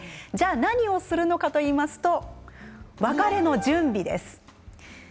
何をするのかといいますと別れる準備です。